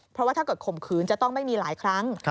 เพราะว่าถ้าเกิดข่มขืนจะต้องไม่มีหลายครั้ง